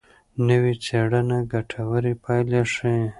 نوې څېړنه ګټورې پایلې ښيي.